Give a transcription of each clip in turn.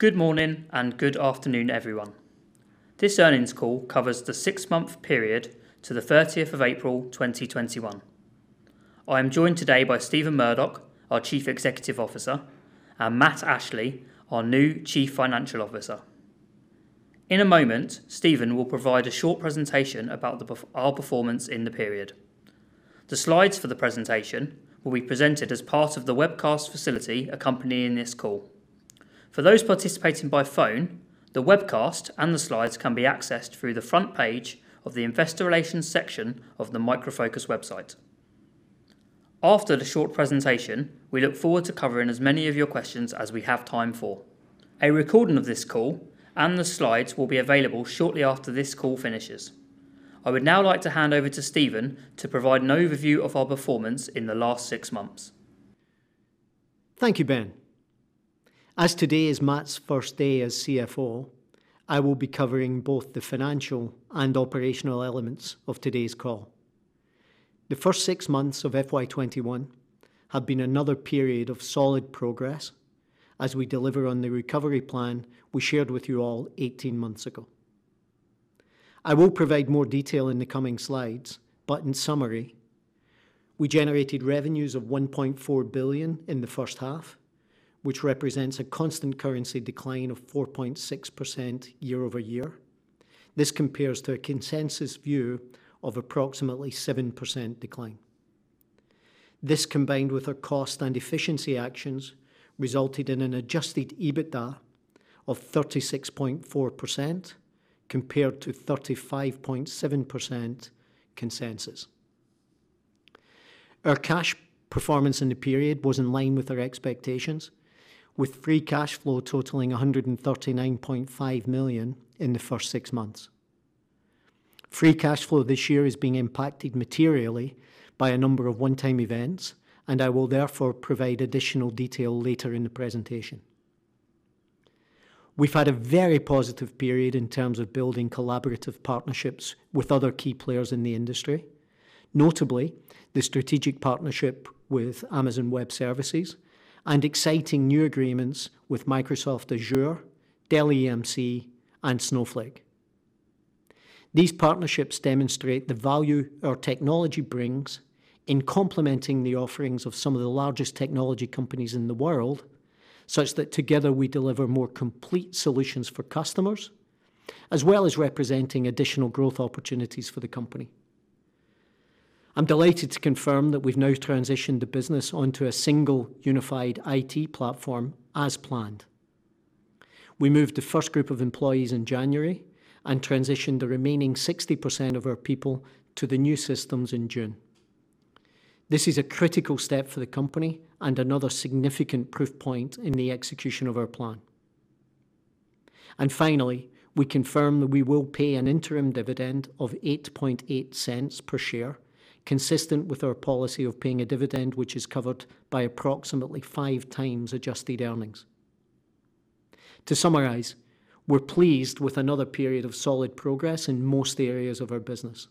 Good morning and good afternoon, everyone. This earnings call covers the six-month period to the 30th of April 2021. I'm joined today by Stephen Murdoch, our Chief Executive Officer, and Matt Ashley, our new Chief Financial Officer. In a moment, Stephen will provide a short presentation about our performance in the period. The slides for the presentation will be presented as part of the webcast facility accompanying this call. For those participating by phone, the webcast and the slides can be accessed through the fanpage of the investor relations section of the Micro Focus website. After the short presentation, we look forward to covering as many of your questions as we have time for. A recording of this call and the slides will be available shortly after this call finishes. I would now like to hand over to Stephen to provide an overview of our performance in the last six months. Thank you, Ben. As today is Matt's first day as CFO, I will be covering both the financial and operational elements of today's call. The first six months of FY '21 have been another period of solid progress as we deliver on the recovery plan we shared with you all 18 months ago. I will provide more detail in the coming slides, but in summary, we generated revenues of $1.4 billion in H1, which represents a constant currency decline of 4.6% year-over-year. This compares to a consensus view of approximately 7% decline. This, combined with our cost and efficiency actions, resulted in an adjusted EBITDA of 36.4% compared to 35.7% consensus. Our cash performance in the period was in line with our expectations, with free cash flow totaling 139.5 million in the first six months. Free cash flow this year is being impacted materially by a number of one-time events, and I will therefore provide additional detail later in the presentation. We've had a very positive period in terms of building collaborative partnerships with other key players in the industry, notably the strategic partnership with Amazon Web Services and exciting new agreements with Microsoft Azure, Dell EMC, and Snowflake. These partnerships demonstrate the value our technology brings in complementing the offerings of some of the largest technology companies in the world, such that together we deliver more complete solutions for customers, as well as representing additional growth opportunities for the company. I'm delighted to confirm that we've now transitioned the business onto a single unified IT platform as planned. We moved the first group of employees in January and transitioned the remaining 60% of our people to the new systems in June. This is a critical step for the company and another significant proof point in the execution of our plan. Finally, we confirm that we will pay an interim dividend of $0.088 per share, consistent with our policy of paying a dividend which is covered by approximately five times adjusted earnings. To summarize, we're pleased with another period of solid progress in most areas of our business.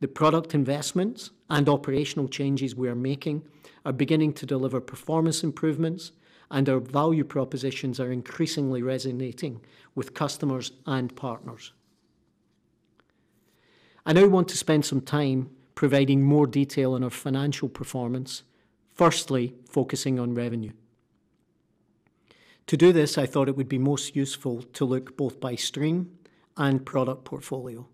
The product investments and operational changes we are making are beginning to deliver performance improvements, and our value propositions are increasingly resonating with customers and partners. I now want to spend some time providing more detail on our financial performance, firstly focusing on revenue. To do this, I thought it would be most useful to look both by stream and product portfolio.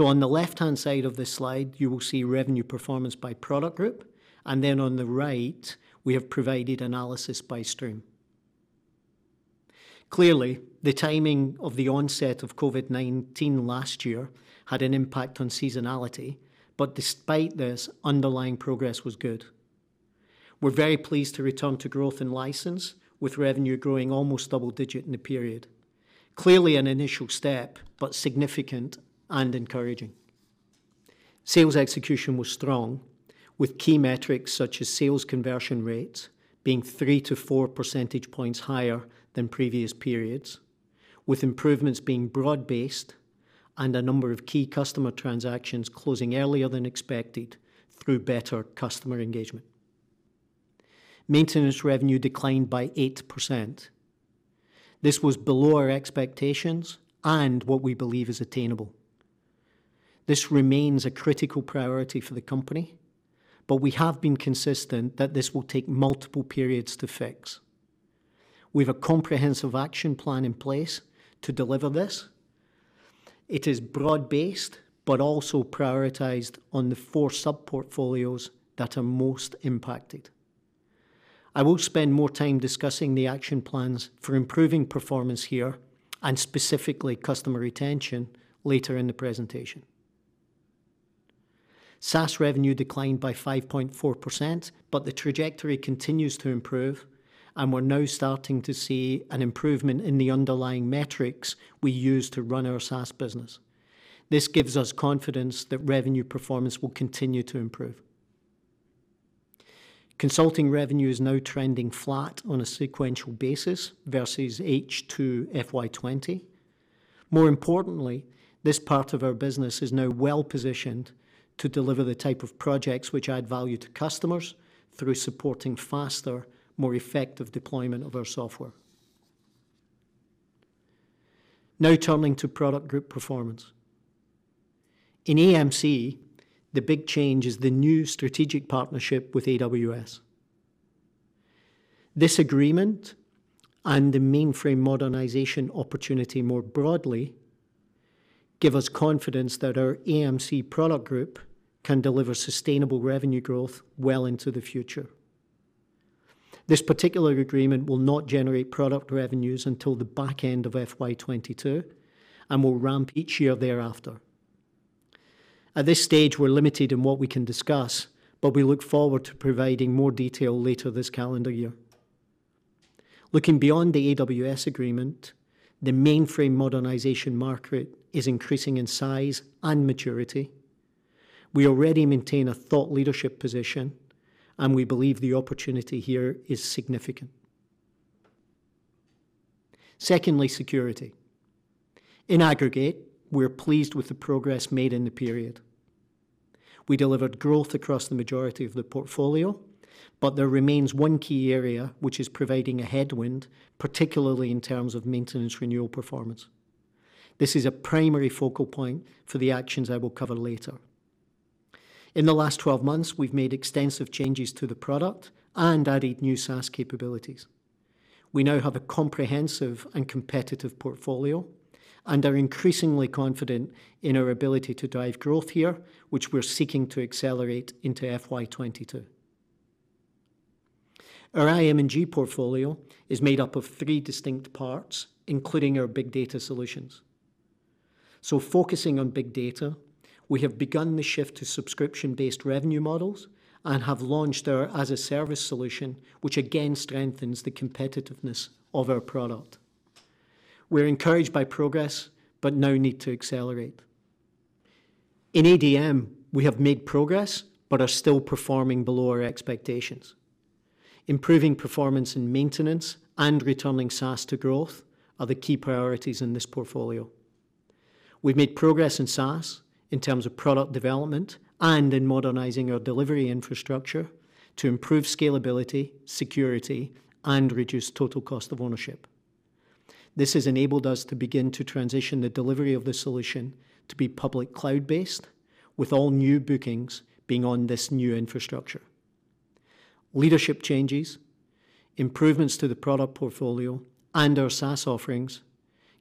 On the left-hand side of this slide, you will see revenue performance by product group, and then on the right we have provided analysis by stream. Clearly, the timing of the onset of COVID-19 last year had an impact on seasonality, but despite this, underlying progress was good. We're very pleased to return to growth in license, with revenue growing almost double digit in the period. Clearly an initial step, but significant and encouraging. Sales execution was strong, with key metrics such as sales conversion rates being three-four percentage points higher than previous periods, with improvements being broad-based and a number of key customer transactions closing earlier than expected through better customer engagement. Maintenance revenue declined by 8%. This was below our expectations and what we believe is attainable. This remains a critical priority for the company, but we have been consistent that this will take multiple periods to fix. We have a comprehensive action plan in place to deliver this. It is broad-based but also prioritized on the four sub-portfolios that are most impacted. I will spend more time discussing the action plans for improving performance here and specifically customer retention later in the presentation. SaaS revenue declined by 5.4%, but the trajectory continues to improve, and we're now starting to see an improvement in the underlying metrics we use to run our SaaS business. This gives us confidence that revenue performance will continue to improve. Consulting revenue is now trending flat on a sequential basis versus H2 FY 2020. More importantly, this part of our business is now well-positioned to deliver the type of projects which add value to customers through supporting faster, more effective deployment of our software. Turning to product group performance. In AMC, the big change is the new strategic partnership with AWS. This agreement and the mainframe modernization opportunity more broadly give us confidence that our AMC product group can deliver sustainable revenue growth well into the future. This particular agreement will not generate product revenues until the back end of FY 2022 and will ramp each year thereafter. At this stage, we're limited in what we can discuss. We look forward to providing more detail later this calendar year. Looking beyond the AWS agreement, the mainframe modernization market is increasing in size and maturity. We already maintain a thought leadership position, and we believe the opportunity here is significant. Secondly, security. In aggregate, we are pleased with the progress made in the period. We delivered growth across the majority of the portfolio, but there remains one key area which is providing a headwind, particularly in terms of maintenance renewal performance. This is a primary focal point for the actions I will cover later. In the last 12 months, we've made extensive changes to the product and added new SaaS capabilities. We now have a comprehensive and competitive portfolio and are increasingly confident in our ability to drive growth here, which we're seeking to accelerate into FY22. Our IM&G portfolio is made up of three distinct parts, including our big data solutions. Focusing on big data, we have begun the shift to subscription-based revenue models and have launched our as-a-service solution, which again strengthens the competitiveness of our product. We're encouraged by progress, but now need to accelerate. In ADM, we have made progress but are still performing below our expectations. Improving performance in maintenance and returning SaaS to growth are the key priorities in this portfolio. We've made progress in SaaS in terms of product development and in modernizing our delivery infrastructure to improve scalability, security, and reduce total cost of ownership. This has enabled us to begin to transition the delivery of the solution to be public cloud-based, with all new bookings being on this new infrastructure. Leadership changes, improvements to the product portfolio, and our SaaS offerings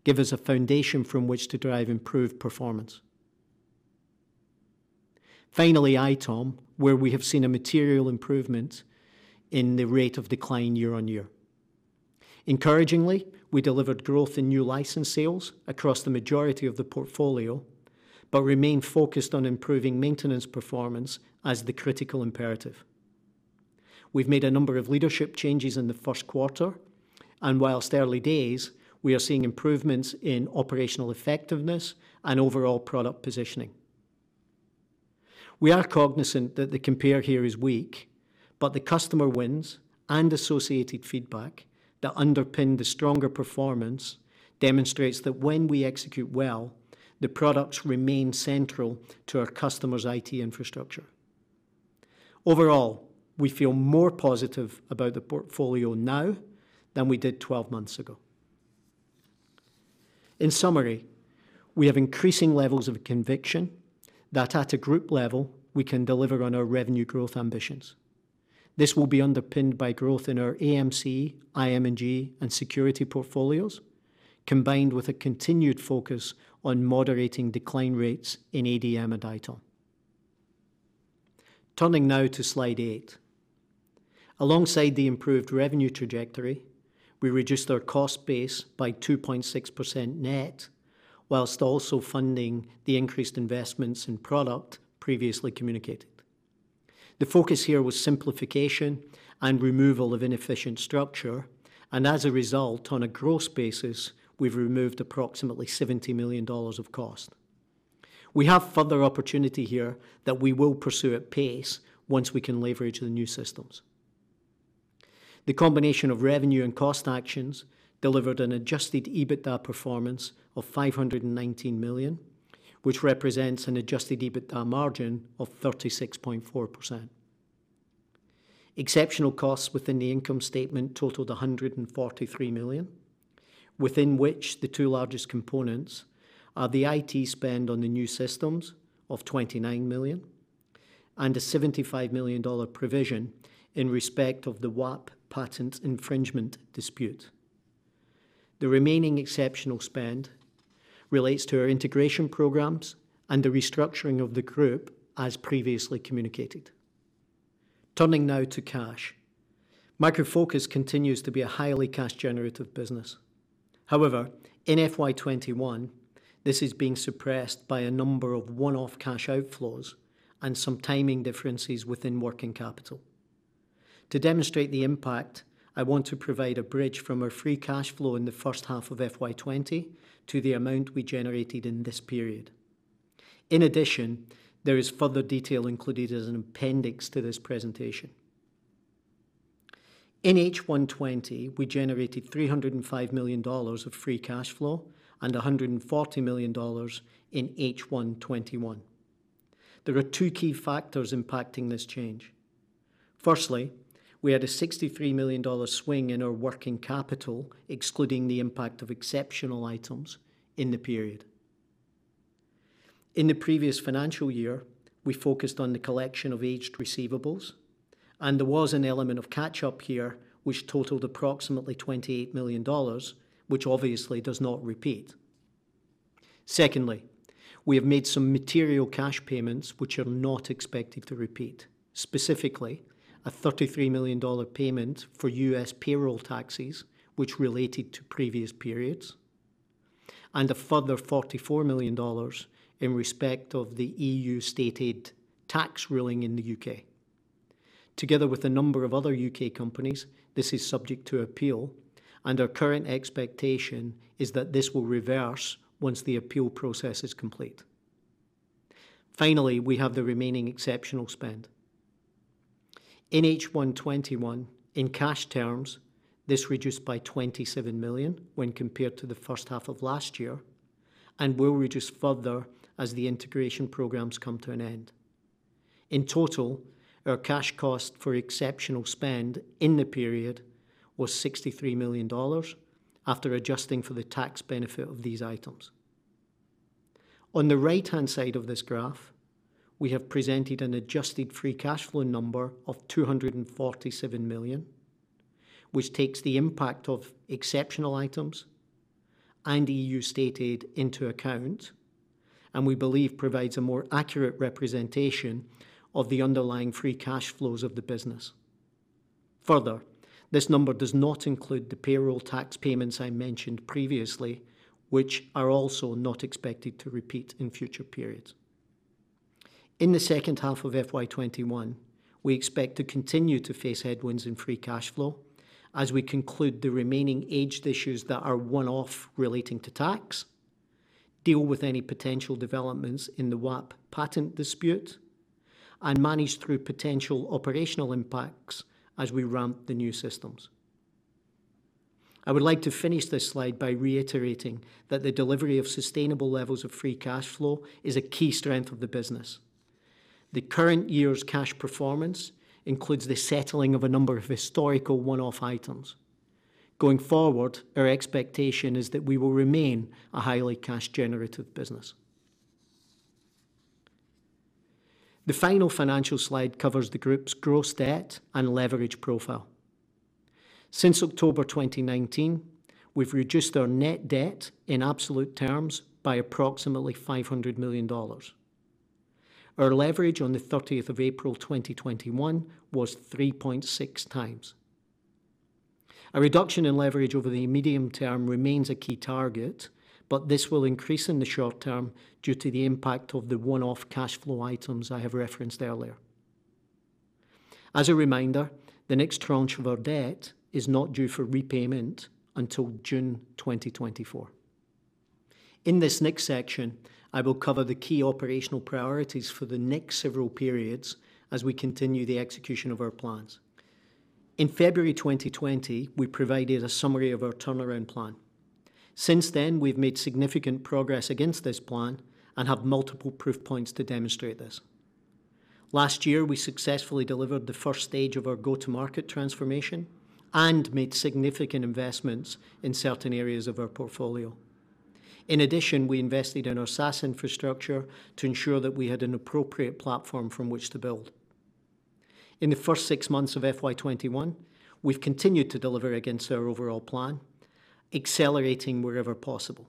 give us a foundation from which to drive improved performance. Finally, ITOM, where we have seen a material improvement in the rate of decline year-on-year. Encouragingly, we delivered growth in new license sales across the majority of the portfolio but remain focused on improving maintenance performance as the critical imperative. We've made a number of leadership changes in the first quarter, and whilst early days, we are seeing improvements in operational effectiveness and overall product positioning. We are cognizant that the compare here is weak, but the customer wins and associated feedback that underpin the stronger performance demonstrates that when we execute well, the products remain central to our customers' IT infrastructure. Overall, we feel more positive about the portfolio now than we did 12 months ago. In summary, we have increasing levels of conviction that at a group level, we can deliver on our revenue growth ambitions. This will be underpinned by growth in our AMC, IM&G, and security portfolios, combined with a continued focus on moderating decline rates in ADM and ITOM. Turning now to slide eight. Alongside the improved revenue trajectory, we reduced our cost base by 2.6% net whilst also funding the increased investments in product previously communicated. The focus here was simplification and removal of inefficient structure, and as a result, on a gross basis, we've removed approximately $70 million of cost. We have further opportunity here that we will pursue at pace once we can leverage the new systems. The combination of revenue and cost actions delivered an adjusted EBITDA performance of $519 million, which represents an adjusted EBITDA margin of 36.4%. Exceptional costs within the income statement totaled $143 million, within which the two largest components are the IT spend on the new systems of $29 million and a $75 million provision in respect of the Wapp patent infringement dispute. The remaining exceptional spend relates to our integration programs and the restructuring of the group as previously communicated. Turning now to cash. Micro Focus continues to be a highly cash-generative business. However, in FY 21, this is being suppressed by a number of one-off cash outflows and some timing differences within working capital. To demonstrate the impact, I want to provide a bridge from our free cash flow in H1 of FY 20 to the amount we generated in this period. In addition, there is further detail included as an appendix to this presentation. In H1 20, we generated $305 million of free cash flow and $140 million in H1 21. There are two key factors impacting this change. Firstly, we had a $63 million swing in our working capital, excluding the impact of exceptional items in the period. In the previous financial year, we focused on the collection of aged receivables, and there was an element of catch-up here which totaled approximately $28 million, which obviously does not repeat. Secondly, we have made some material cash payments which are not expected to repeat, specifically a $33 million payment for U.S. payroll taxes, which related to previous periods, and a further $44 million in respect of the EU state aid tax ruling in the U.K. Together with a number of other U.K. companies, this is subject to appeal, and our current expectation is that this will reverse once the appeal process is complete. Finally, we have the remaining exceptional spend. In H1 21, in cash terms, this reduced by $27 million when compared to H1 of last year and will reduce further as the integration programs come to an end. In total, our cash cost for exceptional spend in the period was $63 million after adjusting for the tax benefit of these items. On the right-hand side of this graph, we have presented an adjusted free cash flow number of $247 million, which takes the impact of exceptional items and E.U. state aid into account and we believe provides a more accurate representation of the underlying free cash flows of the business. Further, this number does not include the payroll tax payments I mentioned previously, which are also not expected to repeat in future periods. In the second half of FY '21, we expect to continue to face headwinds in free cash flow as we conclude the remaining aged issues that are one-off relating to tax, deal with any potential developments in the Wapp patent dispute, and manage through potential operational impacts as we ramp the new systems. I would like to finish this slide by reiterating that the delivery of sustainable levels of free cash flow is a key strength of the business. The current year's cash performance includes the settling of a number of historical one-off items. Going forward, our expectation is that we will remain a highly cash-generative business. The final financial slide covers the group's gross debt and leverage profile. Since October 2019, we've reduced our net debt in absolute terms by approximately $500 million. Our leverage on the 30th of April 2021 was 3.6 times. A reduction in leverage over the medium term remains a key target, but this will increase in the short term due to the impact of the one-off cash flow items I have referenced earlier. As a reminder, the next tranche of our debt is not due for repayment until June 2024. In this next section, I will cover the key operational priorities for the next several periods as we continue the execution of our plans. In February 2020, we provided a summary of our turnaround plan. Since then, we've made significant progress against this plan and have multiple proof points to demonstrate this. Last year, we successfully delivered the first stage of our go-to-market transformation and made significant investments in certain areas of our portfolio. In addition, we invested in our SaaS infrastructure to ensure that we had an appropriate platform from which to build. In the first six months of FY 2021, we've continued to deliver against our overall plan, accelerating wherever possible.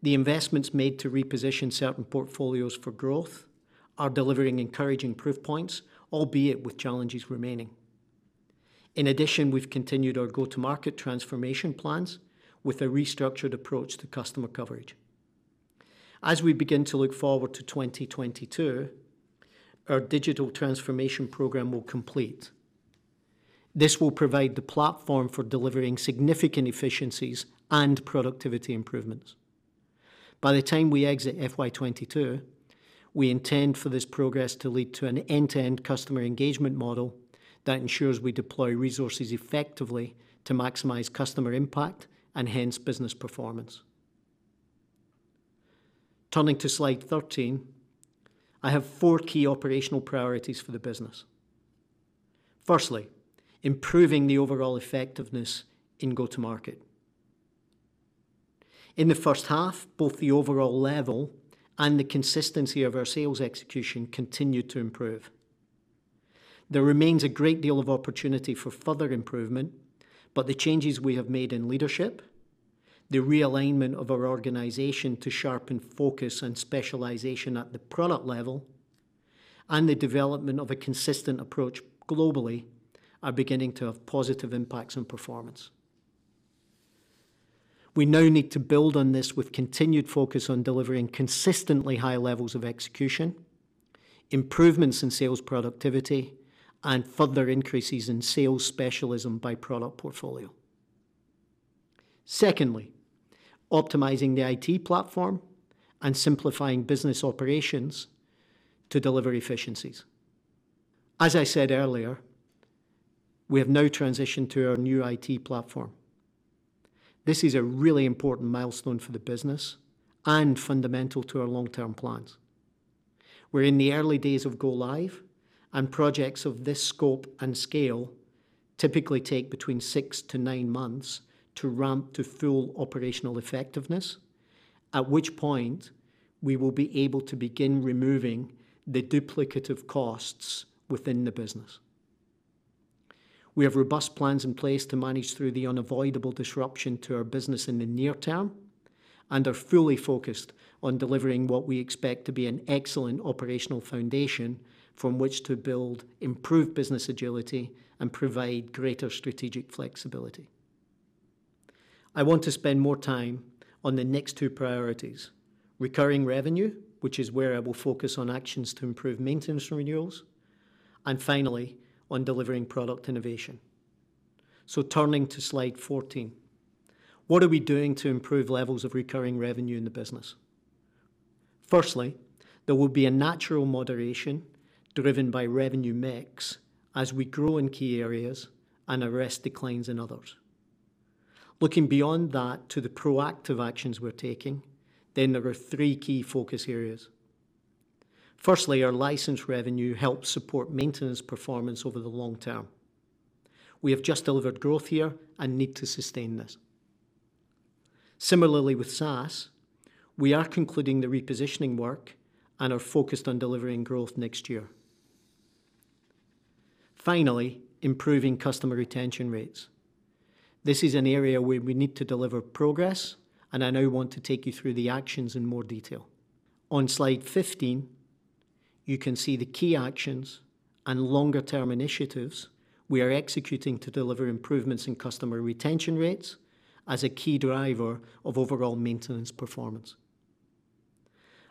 The investments made to reposition certain portfolios for growth are delivering encouraging proof points, albeit with challenges remaining. In addition, we've continued our go-to-market transformation plans with a restructured approach to customer coverage. As we begin to look forward to 2022, our digital transformation program will complete. This will provide the platform for delivering significant efficiencies and productivity improvements. By the time we exit FY 2022, we intend for this progress to lead to an end-to-end customer engagement model that ensures we deploy resources effectively to maximize customer impact and hence business performance. Turning to Slide 13, I have four key operational priorities for the business. Firstly, improving the overall effectiveness in go-to-market. In the first half, both the overall level and the consistency of our sales execution continued to improve. There remains a great deal of opportunity for further improvement, but the changes we have made in leadership, the realignment of our organization to sharpen focus and specialization at the product level, and the development of a consistent approach globally are beginning to have positive impacts on performance. We now need to build on this with continued focus on delivering consistently high levels of execution, improvements in sales productivity, and further increases in sales specialism by product portfolio. Secondly, optimizing the IT platform and simplifying business operations to deliver efficiencies. As I said earlier, we have now transitioned to our new IT platform. This is a really important milestone for the business and fundamental to our long-term plans. We're in the early days of go-live, and projects of this scope and scale typically take between 6-9 months to ramp to full operational effectiveness, at which point we will be able to begin removing the duplicative costs within the business. We have robust plans in place to manage through the unavoidable disruption to our business in the near term and are fully focused on delivering what we expect to be an excellent operational foundation from which to build improved business agility and provide greater strategic flexibility. I want to spend more time on the next two priorities, recurring revenue, which is where I will focus on actions to improve maintenance renewals, and finally, on delivering product innovation. Turning to slide 14, what are we doing to improve levels of recurring revenue in the business? Firstly, there will be a natural moderation driven by revenue mix as we grow in key areas and arrest declines in others. Looking beyond that to the proactive actions we're taking, then there are three key focus areas. Firstly, our license revenue helps support maintenance performance over the long term. We have just delivered growth here and need to sustain this. Similarly, with SaaS, we are concluding the repositioning work and are focused on delivering growth next year. Finally, improving customer retention rates. This is an area where we need to deliver progress, and I now want to take you through the actions in more detail. On slide 15, you can see the key actions and longer-term initiatives we are executing to deliver improvements in customer retention rates as a key driver of overall maintenance performance.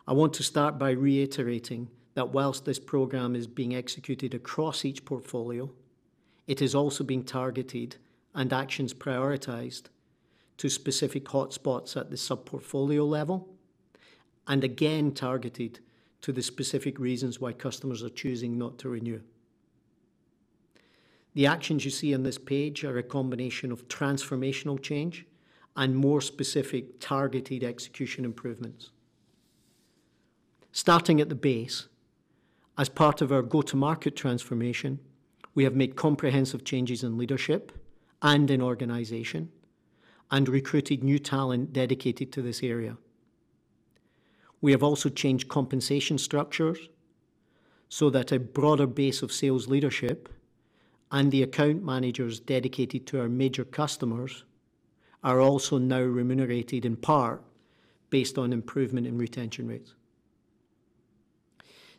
I want to start by reiterating that whilst this program is being executed across each portfolio, it is also being targeted and actions prioritized to specific hotspots at the sub-portfolio level, and again targeted to the specific reasons why customers are choosing not to renew. The actions you see on this page are a combination of transformational change and more specific targeted execution improvements. Starting at the base, as part of our go-to-market transformation, we have made comprehensive changes in leadership and in organization and recruited new talent dedicated to this area. We have also changed compensation structures so that a broader base of sales leadership and the account managers dedicated to our major customers are also now remunerated in part based on improvement in retention rates.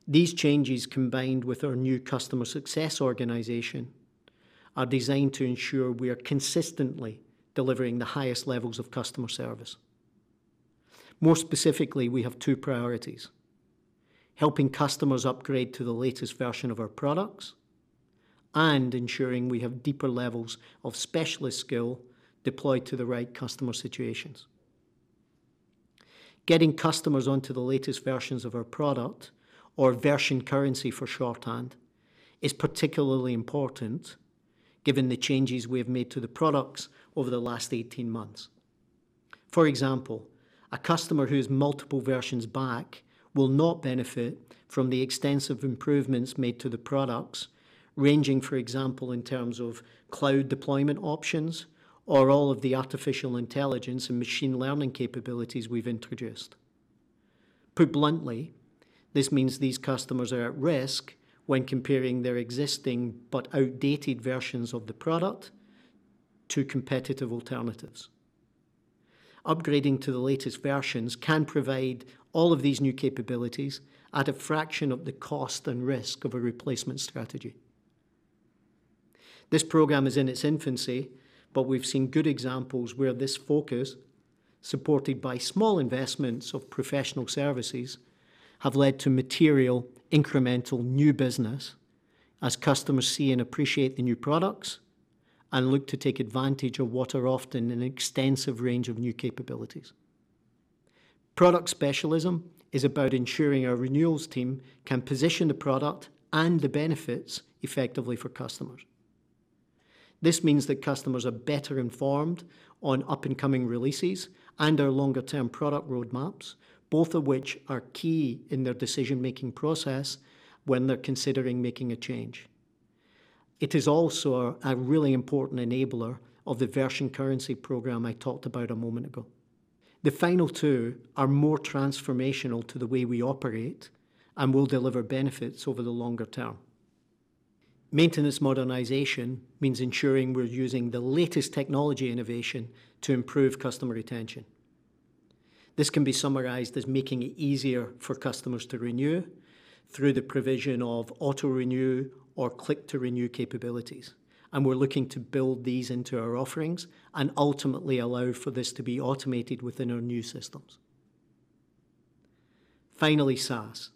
These changes, combined with our new customer success organization, are designed to ensure we are consistently delivering the highest levels of customer service. More specifically, we have two priorities: helping customers upgrade to the latest version of our products and ensuring we have deeper levels of specialist skill deployed to the right customer situations. Getting customers onto the latest versions of our product, or version currency for shorthand, is particularly important given the changes we've made to the products over the last 18 months. For example, a customer who's multiple versions back will not benefit from the extensive improvements made to the products, ranging, for example, in terms of cloud deployment options or all of the artificial intelligence and machine learning capabilities we've introduced. Put bluntly, this means these customers are at risk when comparing their existing but outdated versions of the product to competitive alternatives. Upgrading to the latest versions can provide all of these new capabilities at a fraction of the cost and risk of a replacement strategy. This program is in its infancy, but we've seen good examples where this focus, supported by small investments of professional services, have led to material incremental new business as customers see and appreciate the new products and look to take advantage of what are often an extensive range of new capabilities. Product specialism is about ensuring our renewals team can position the product and the benefits effectively for customers. This means that customers are better informed on up-and-coming releases and our longer-term product roadmaps, both of which are key in their decision-making process when they're considering making a change. It is also a really important enabler of the Version Currency program I talked about a moment ago. The final two are more transformational to the way we operate and will deliver benefits over the longer term. Maintenance modernization means ensuring we're using the latest technology innovation to improve customer retention. This can be summarized as making it easier for customers to renew through the provision of auto-renew or click-to-renew capabilities, and we're looking to build these into our offerings and ultimately allow for this to be automated within our new systems. Finally, SaaS.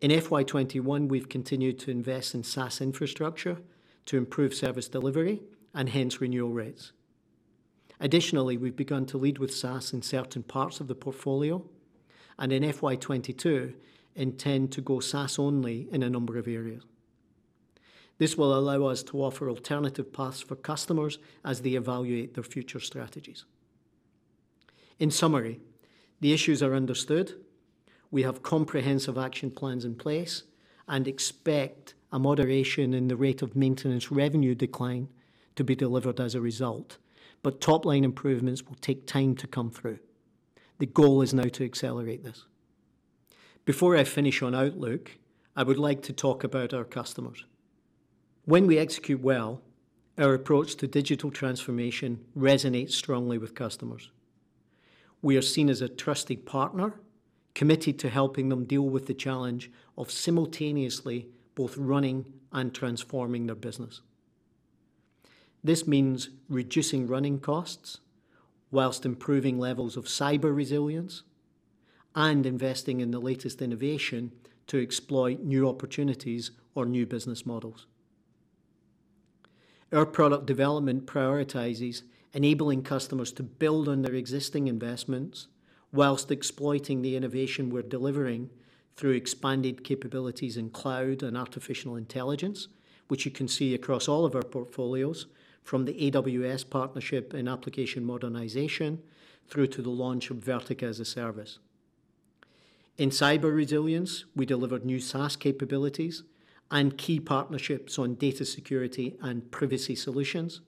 In FY 2021, we've continued to invest in SaaS infrastructure to improve service delivery and hence renewal rates. Additionally, we've begun to lead with SaaS in certain parts of the portfolio, and in FY 2022 intend to go SaaS only in a number of areas. This will allow us to offer alternative paths for customers as they evaluate their future strategies. In summary, the issues are understood. We have comprehensive action plans in place and expect a moderation in the rate of maintenance revenue decline to be delivered as a result, but top-line improvements will take time to come through. The goal is now to accelerate this. Before I finish on outlook, I would like to talk about our customers. When we execute well, our approach to digital transformation resonates strongly with customers. We are seen as a trusted partner, committed to helping them deal with the challenge of simultaneously both running and transforming their business. This means reducing running costs while improving levels of cyber resilience and investing in the latest innovation to exploit new opportunities or new business models. Our product development prioritizes enabling customers to build on their existing investments while exploiting the innovation we're delivering through expanded capabilities in cloud and artificial intelligence, which you can see across all of our portfolios, from the AWS partnership in application modernization through to the launch of Vertica as a Service. In cyber resilience, we delivered new SaaS capabilities and key partnerships on data security and privacy solutions,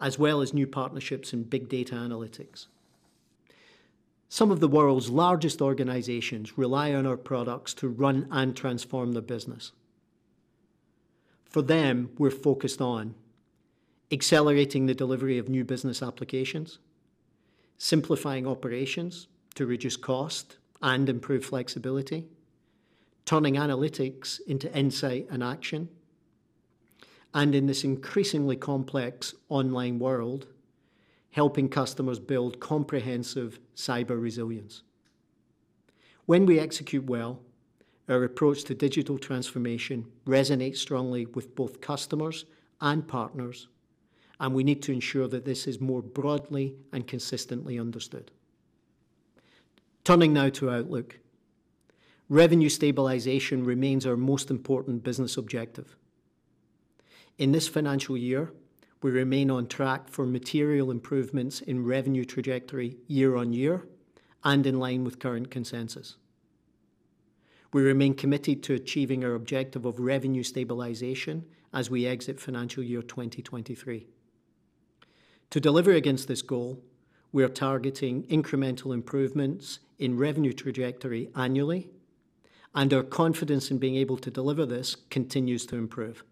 as well as new partnerships in big data analytics. Some of the world's largest organizations rely on our products to run and transform their business. For them, we're focused on accelerating the delivery of new business applications, simplifying operations to reduce cost and improve flexibility, turning analytics into insight and action, and in this increasingly complex online world, helping customers build comprehensive cyber resilience. When we execute well, our approach to digital transformation resonates strongly with both customers and partners, and we need to ensure that this is more broadly and consistently understood. Turning now to outlook. Revenue stabilization remains our most important business objective. In this financial year, we remain on track for material improvements in revenue trajectory year-on-year and in line with current consensus. We remain committed to achieving our objective of revenue stabilization as we exit financial year 2023. To deliver against this goal, we are targeting incremental improvements in revenue trajectory annually, and our confidence in being able to deliver this continues to improve.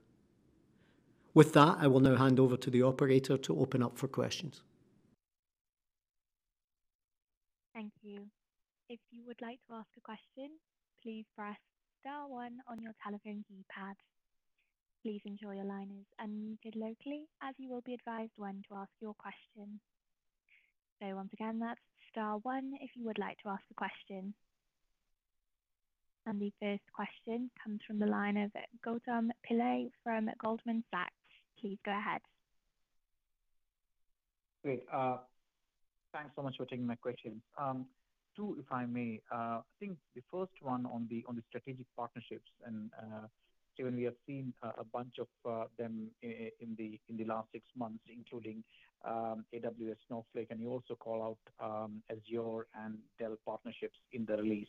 With that, I will now hand over to the operator to open up for questions. Thank you. If you would like to ask a question, please press star one on your telephone keypad. Please enjoy your liners and mute it locally as you will be advised when to ask your question. Once again, that's star one if you would like to ask a question. The first question comes from the line of Gautam Pillai from Goldman Sachs. Please go ahead. Great. Thanks so much for taking my question. Two, if I may. I think the first one on the strategic partnerships, clearly we have seen a bunch of them in the last six months, including AWS Snowflake, and you also call out Azure and Dell partnerships in the release.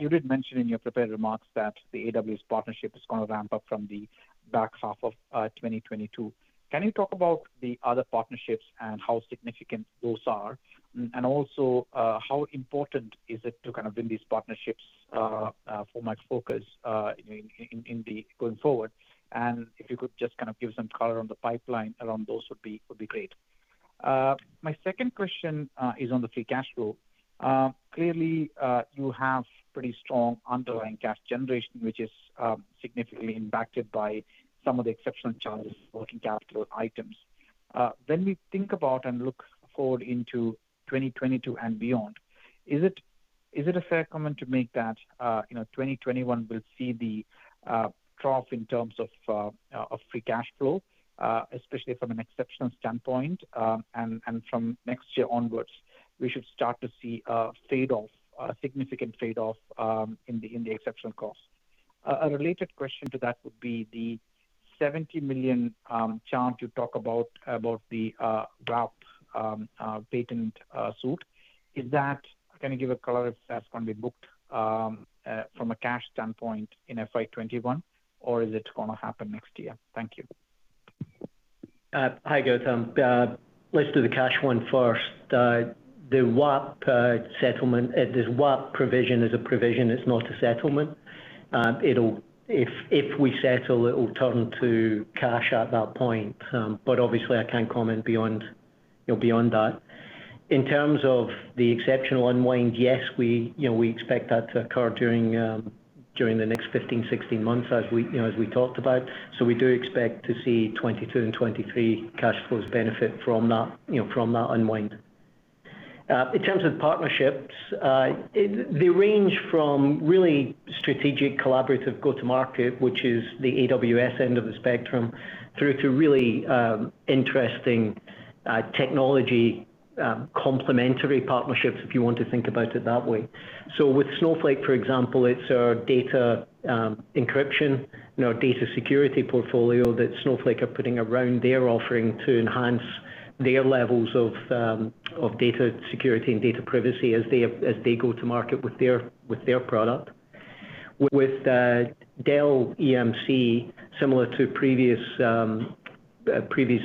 You did mention in your prepared remarks that the AWS partnership is going to ramp up from the back half of 2022. Can you talk about the other partnerships and how significant those are? Also how important is it to kind of win these partnerships for Micro Focus going forward? If you could just kind of give some color on the pipeline around those would be great. My second question is on the free cash flow. Clearly, you have pretty strong underlying cash generation, which is significantly impacted by some of the exceptional charges working capital items. When we think about and look forward into 2022 and beyond, is it a fair comment to make that 2021 will see the trough in terms of free cash flow, especially from an exceptional standpoint, from next year onwards, we should start to see a significant trade-off in the exceptional cost? A related question to that would be the $70 million charge you talk about the Wapp patent suit. Can you give a color if that's going to be booked from a cash standpoint in FY '21, or is it going to happen next year? Thank you. Hi, Gautam. Let's do the cash one first. The Wapp provision is a provision. It's not a settlement. If we settle, it will turn to cash at that point. Obviously I can't comment beyond that. In terms of the exceptional unwind, yes, we expect that to occur during the next 15, 16 months, as we talked about. We do expect to see '22 and '23 cash flows benefit from that unwind. In terms of partnerships, they range from really strategic collaborative go-to-market, which is the AWS end of the spectrum, through to really interesting technology complementary partnerships, if you want to think about it that way. With Snowflake, for example, it's our data encryption and our data security portfolio that Snowflake are putting around their offering to enhance their levels of data security and data privacy as they go to market with their product. With Dell EMC, similar to previous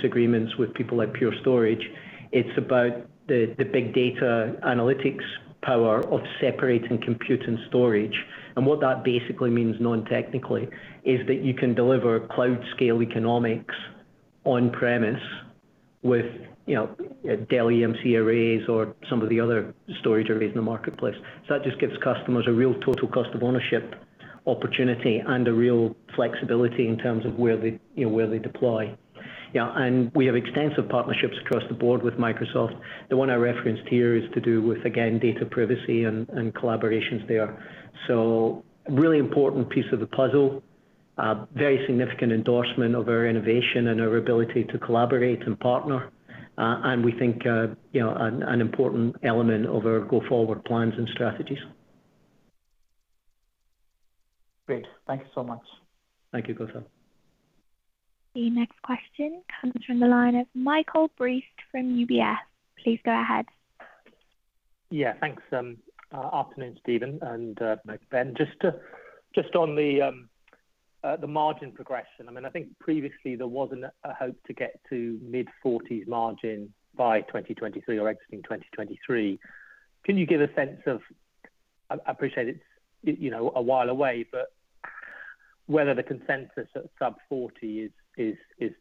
agreements with people like Pure Storage, it's about the big data analytics power of separating compute and storage. What that basically means, non-technically, is that you can deliver cloud-scale economics on-premise with Dell EMC arrays or some of the other storage arrays in the marketplace. That just gives customers a real total cost of ownership opportunity and a real flexibility in terms of where they deploy. Yeah, we have extensive partnerships across the board with Microsoft. The 1 I referenced here is to do with, again, data privacy and collaborations there. A really important piece of the puzzle, a very significant endorsement of our innovation and our ability to collaborate and partner, and we think an important element of our go-forward plans and strategies. Great. Thanks so much. Thank you. The next question comes from the line of Michael Briest from UBS. Please go ahead. Yeah, thanks. Afternoon, Stephen and Matt Ashley then. Just on the margin progression, I think previously there was a hope to get to mid-40s% margin by 2023 or exiting 2023. Can you give a sense of, I appreciate it's a while away, but whether the consensus at sub-40% is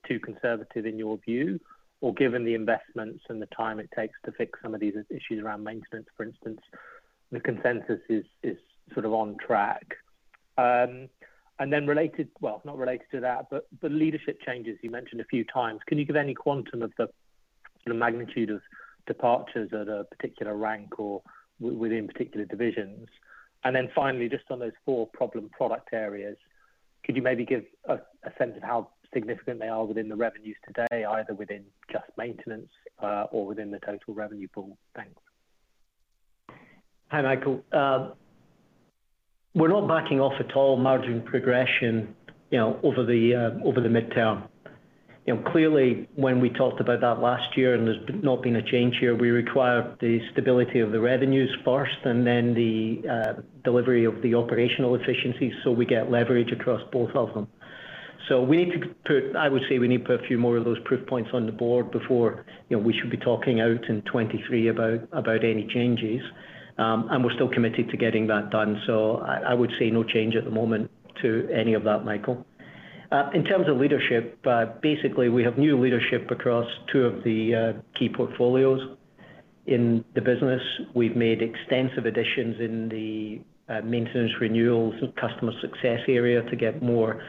too conservative in your view, or given the investments and the time it takes to fix some of these issues around maintenance, for instance, the consensus is sort of on track? Related, well, not related to that, but the leadership changes you mentioned a few times. Can you give any quantum of the magnitude of departures at a particular rank or within particular divisions? Finally, just on those four problem product areas, could you maybe give a sense of how significant they are within the revenues today, either within just maintenance or within the total revenue pool? Thanks. Hi, Michael. We are not backing off at all margin progression over the midterm. Clearly, when we talked about that last year, and there's not been a change here, we require the stability of the revenues first and then the delivery of the operational efficiencies so we get leverage across both of them. I would say we need to put a few more of those proof points on the board before we should be talking out in 2023 about any changes. We are still committed to getting that done. I would say no change at the moment to any of that, Michael. In terms of leadership, basically we have new leadership across two of the key portfolios in the business. We have made extensive additions in the maintenance renewals and customer success area to get more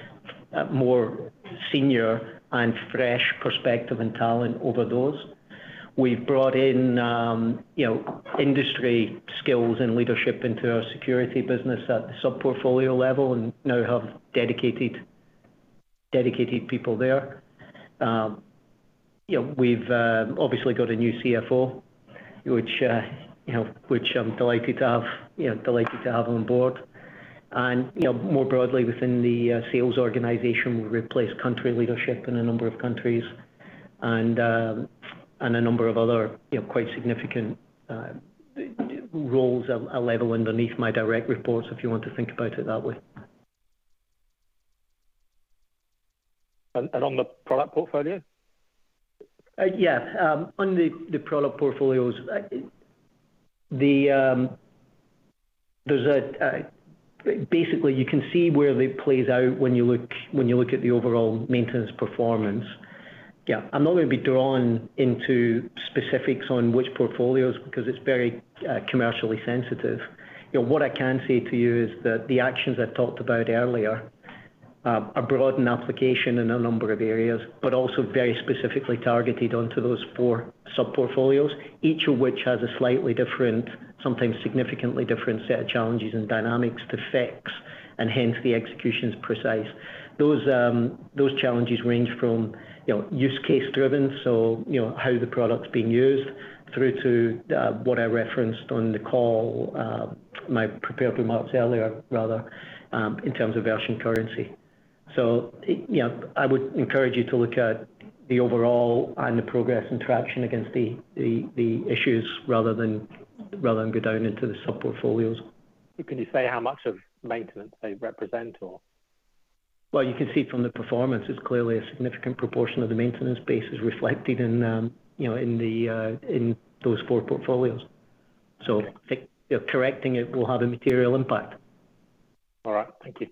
senior and fresh perspective and talent over those. We have brought in industry skills and leadership into our security business at the sub-portfolio level and now have dedicated people there. We have obviously got a new CFO, which I'm delighted to have on board. More broadly within the sales organization, we have replaced country leadership in a number of countries and a number of other quite significant roles a level underneath my direct reports, if you want to think about it that way. On the product portfolio? Yeah. On the product portfolios, basically you can see where they played out when you look at the overall maintenance performance. Yeah, I'm not going to be drawn into specifics on which portfolios because it's very commercially sensitive. What I can say to you is that the actions I talked about earlier are broad in application in a number of areas, but also very specifically targeted onto those four sub-portfolios, each of which has a slightly different, sometimes significantly different set of challenges and dynamics to fix, and hence the execution is precise. Those challenges range from use case driven, so how the product is being used, through to what I referenced on the call, my prepared remarks earlier, rather, in terms of functional currency. Yeah, I would encourage you to look at the overall and the progress interaction against the issues rather than go down into the sub-portfolios. Can you say how much of maintenance they represent or? Well, you can see from the performance, it's clearly a significant proportion of the maintenance base is reflected in those four portfolios. Correcting it will have a material impact. All right. Thank you.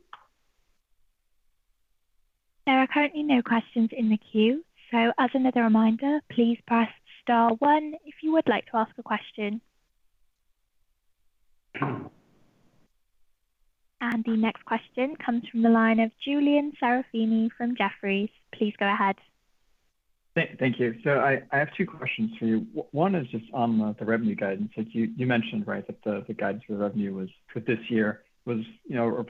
There are currently no questions in the queue, so as another reminder, please press star one if you would like to ask a question. The next question comes from the line of Julian Serafini from Jefferies. Please go ahead. Thank you. I have two questions for you. One is just on the revenue guidance. You mentioned that the guidance for revenue for this year was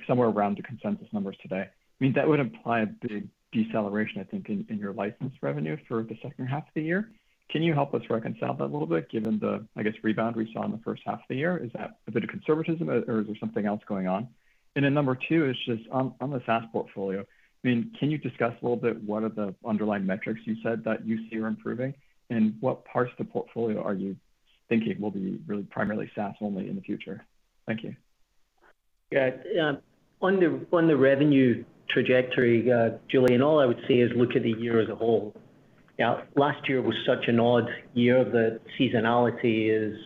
somewhere around the consensus numbers today. That would imply a big deceleration, I think, in your license revenues for H2 of the year. Can you help us reconcile that a little bit, given the, I guess, rebound we saw in H1 of the year? Is that a bit of conservatism, or is there something else going on? Number two is just on the SaaS portfolio. Can you discuss a little bit what are the underlying metrics you said that you see are improving, and what parts of the portfolio are you thinking will be really primarily SaaS only in the future? Thank you. On the revenue trajectory, Julian, all I would say is look at the year as a whole. Last year was such an odd year that seasonality is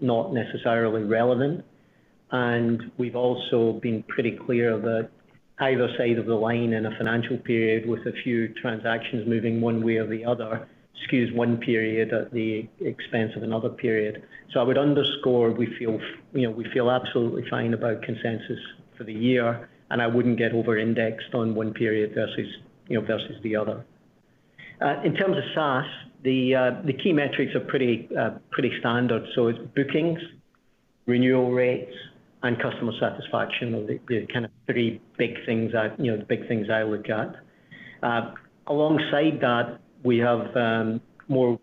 not necessarily relevant, and we've also been pretty clear that either side of the line in a financial period with a few transactions moving one way or the other skews one period at the expense of another period. I would underscore, we feel absolutely fine about consensus for the year, and I wouldn't get over-indexed on one period versus the other. In terms of SaaS, the key metrics are pretty standard. It's bookings, renewal rates, and customer satisfaction are the kind of three big things I look at. Alongside that, we have more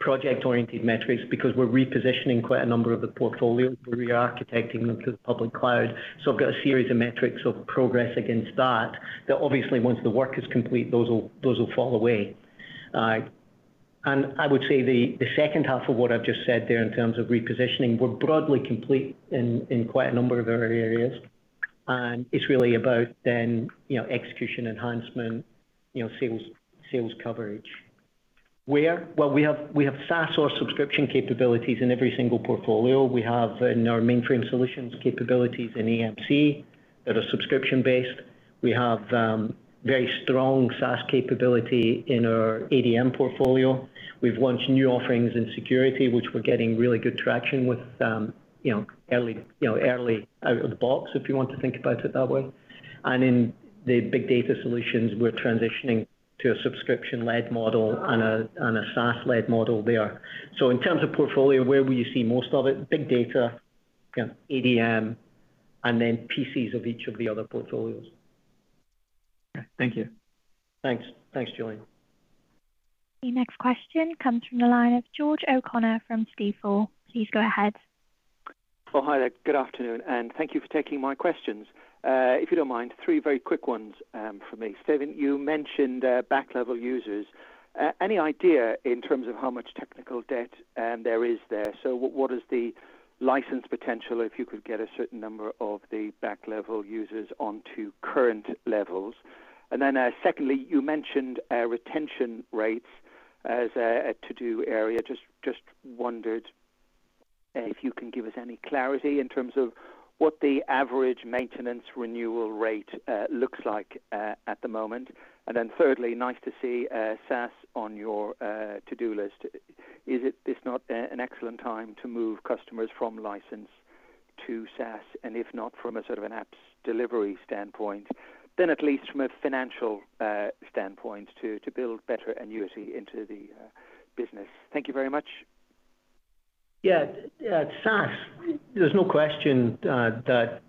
project-oriented metrics because we're repositioning quite a number of the portfolios. We're re-architecting them to the public cloud. I've got a series of metrics of progress against that obviously once the work is complete, those will fall away. I would say H2 of what I've just said there in terms of repositioning, we're broadly complete in quite a number of our areas, and it's really about then execution enhancement, sales coverage. Where? Well, we have SaaS or subscription capabilities in every single portfolio. We have in our mainframe solutions capabilities in AMC that are subscription-based. We have very strong SaaS capability in our ADM portfolio. We've launched new offerings in security, which we're getting really good traction with early out of the box, if you want to think about it that way. In the big data solutions, we're transitioning to a subscription-led model and a SaaS-led model there. In terms of portfolio, where will you see most of it? Big data, ADM, and then pieces of each of the other portfolios. Okay. Thank you. Thanks. Thanks, Julian. The next question comes from the line of George O'Connor from Stifel. Please go ahead. Hi there. Good afternoon, and thank you for taking my questions. If you don't mind, three very quick ones from me. Stephen, you mentioned back-level users. Any idea in terms of how much technical debt there is there? What is the license potential if you could get a certain number of the back-level users onto current levels? Secondly, you mentioned retention rates as a to-do area. Just wondered if you can give us any clarity in terms of what the average maintenance renewal rate looks like at the moment. Thirdly, nice to see SaaS on your to-do list. Is this not an excellent time to move customers from license to SaaS, and if not from a sort of an apps delivery standpoint, then at least from a financial standpoint to build better annuity into the business? Thank you very much. Yeah. SaaS, there's no question that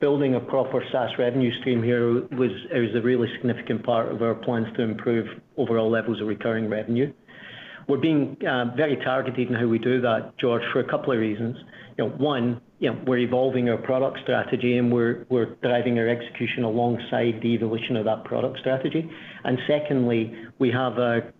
building a proper SaaS revenue stream here is a really significant part of our plans to improve overall levels of recurring revenue. We're being very targeted in how we do that, George, for a couple of reasons. One, we're evolving our product strategy, and we're driving our execution alongside the evolution of that product strategy. Secondly, we have a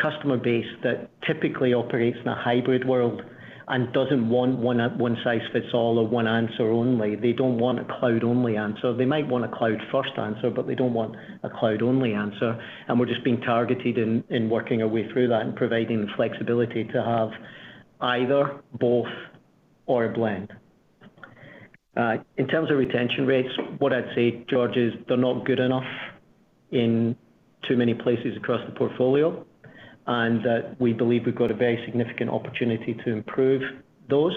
customer base that typically operates in a hybrid world and doesn't want one-size-fits-all or one answer only. They don't want a cloud-only answer. They might want a cloud-first answer, but they don't want a cloud-only answer. We're just being targeted in working our way through that and providing the flexibility to have either, both, or a blend. In terms of retention rates, what I'd say, George, is they're not good enough in too many places across the portfolio, and we believe we've got a very significant opportunity to improve those.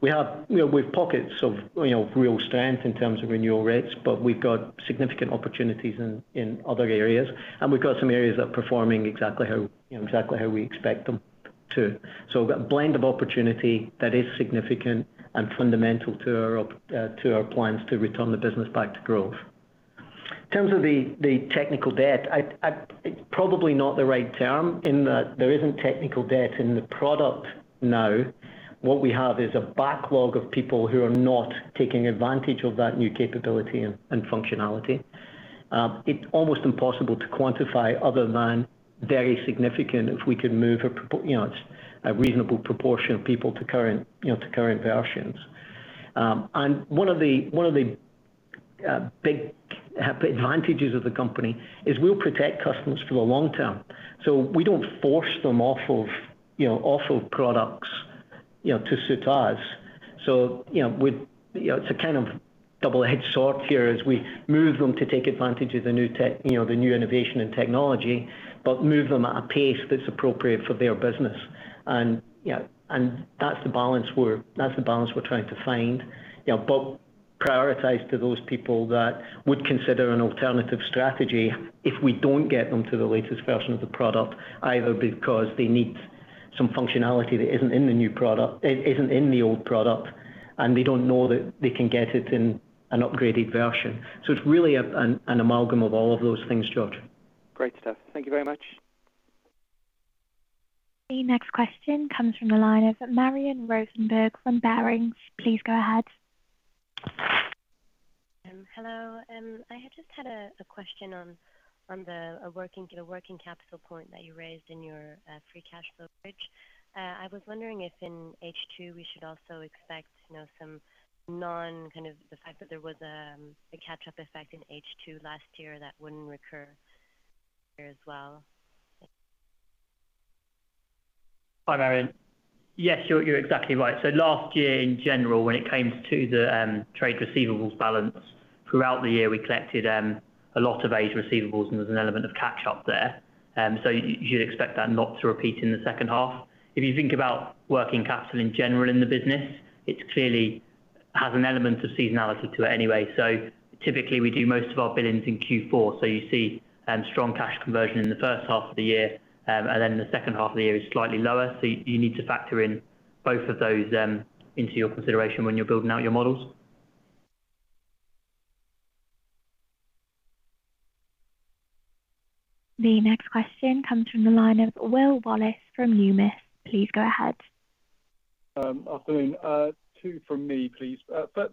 We have pockets of real strength in terms of renewal rates, but we've got significant opportunities in other areas, and we've got some areas that are performing exactly how we expect them to. A blend of opportunity that is significant and fundamental to our plans to return the business back to growth. In terms of the technical debt, probably not the right term in that there isn't technical debt in the product now. What we have is a backlog of people who are not taking advantage of that new capability and functionality. It's almost impossible to quantify, other than very significant if we can move a reasonable proportion of people to current versions. One of the big advantages of the company is we'll protect customers for the long term. We don't force them off of products To suit us. It's a kind of double-edged sword here as we move them to take advantage of the new innovation and technology, but move them at a pace that's appropriate for their business. That's the balance we're trying to find. Prioritize to those people that would consider an alternative strategy if we don't get them to the latest version of the product, either because they need some functionality that isn't in the old product, and we don't know that they can get it in an upgraded version. It's really an amalgam of all of those things, George. Great stuff. Thank you very much. The next question comes from the line of Marion Rosenberg from Barings. Please go ahead. Hello. I just had a question on the working capital point that you raised in your free cash flow bridge. I was wondering if in H2 we should also expect some kind of the fact that there was a catch-up effect in H2 last year that wouldn't recur as well. Hi, Marion. Yes, you're exactly right. Last year in general, when it came to the trade receivables balance, throughout the year we collected a lot of aged receivables, and there's an element of catch up there. You should expect that not to repeat in the second half. If you think about working capital in general in the business, it clearly has an element of seasonality to it anyway. Typically we do most of our billings in Q4. You see strong cash conversion in the first half of the year, and then the second half of the year is slightly lower. You need to factor in both of those into your consideration when you're building out your models. The next question comes from the line of Will Wallis from Numis. Please go ahead. Hi, Colin. Two from me, please.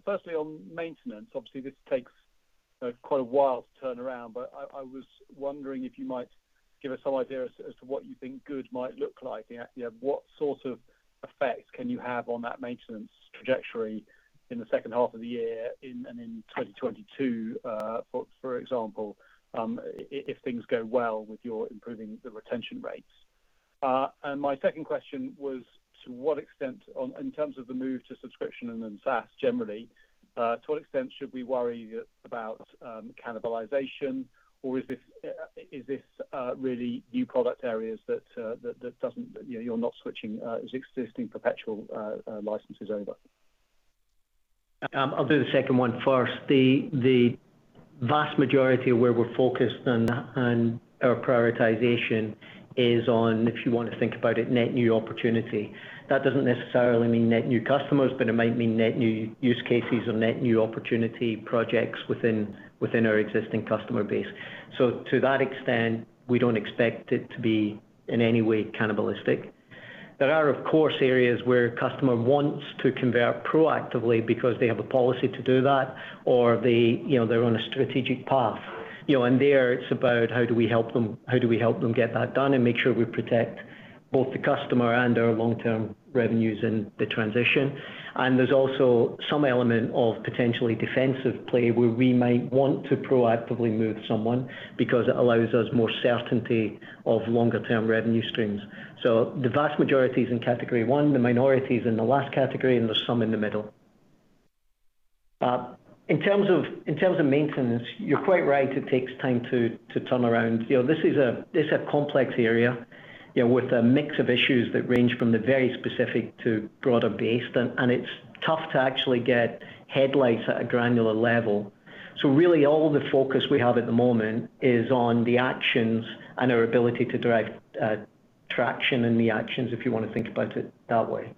Firstly, on maintenance, obviously this takes quite a while to turn around, but I was wondering if you might give us some idea as to what you think good might look like. What sort of effect can you have on that maintenance trajectory in H2 of the year and in 2022, for example, if things go well with your improving the retention rates? My second question was, in terms of the move to subscription and then SaaS generally, to what extent should we worry about cannibalization, or is this really new product areas that you're not switching existing perpetual licenses over? I'll do the second one first. The vast majority of where we're focused and our prioritization is on, if you want to think about it, net new opportunity. That doesn't necessarily mean net new customers, but it might mean net new use cases or net new opportunity projects within our existing customer base. To that extent, we don't expect it to be in any way cannibalistic. There are, of course, areas where a customer wants to convert proactively because they have a policy to do that or they're on a strategic path. There it's about how do we help them get that done and make sure we protect both the customer and our long-term revenues in the transition. There's also some element of potentially defensive play where we might want to proactively move someone because it allows us more certainty of longer-term revenue streams. The vast majority is in category one, the minority is in the last category, and there's some in the middle. In terms of maintenance, you're quite right, it takes time to turn around. This is a complex area with a mix of issues that range from the very specific to broader base, and it's tough to actually get headlights at a granular level. Really all the focus we have at the moment is on the actions and our ability to drive traction in the actions, if you want to think about it that way.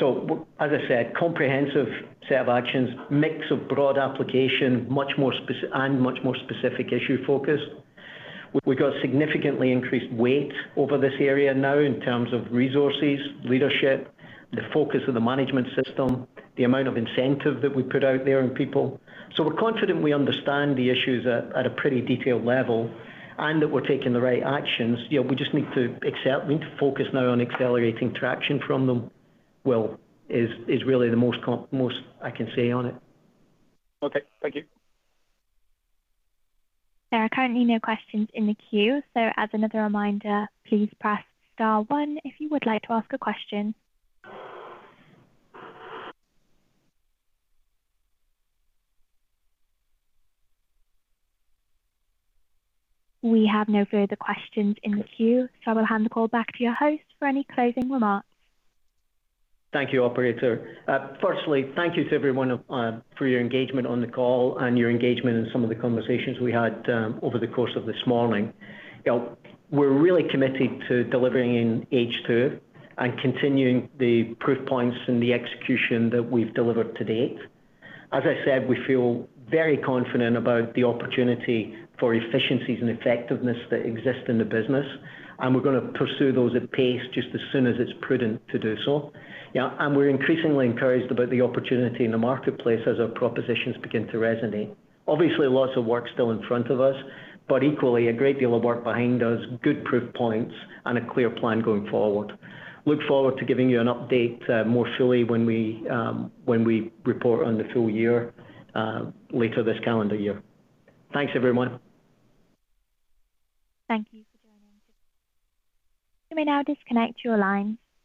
As I said, comprehensive set of actions, mix of broad application, and much more specific issue focus. We've got significantly increased weight over this area now in terms of resources, leadership, the focus of the management system, the amount of incentive that we put out there in people. We're confident we understand the issues at a pretty detailed level and that we're taking the right actions. We just need to focus now on accelerating traction from them. Will, is really the most I can say on it. Okay. Thank you. There are currently no questions in the queue. As another reminder, please press star one if you would like to ask a question. We have no further questions in the queue. I'll hand the call back to your host, for any closing remarks. Thank you, operator. Firstly, thank you to everyone for your engagement on the call and your engagement in some of the conversations we had over the course of this morning. We're really committed to delivering in H2 and continuing the proof points and the execution that we've delivered to date. As I said, we feel very confident about the opportunity for efficiencies and effectiveness that exist in the business, and we're going to pursue those at pace just as soon as it's prudent to do so. We're increasingly encouraged about the opportunity in the marketplace as our propositions begin to resonate. Obviously, lots of work still in front of us, but equally a great deal of work behind us, good proof points, and a clear plan going forward. Look forward to giving you an update more fully when we report on the full year later this calendar year. Thanks, everyone. Thank you. You may now disconnect your lines.